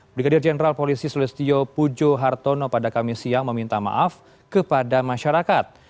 brigadir jenderal polisi sulistio pujo hartono pada kamis siang meminta maaf kepada masyarakat